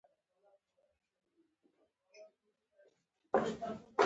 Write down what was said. ولانس بایلل شوو یا اخیستل شوو الکترونونو پورې اړه لري.